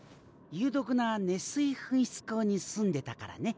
有毒な熱水噴出孔に住んでたからね。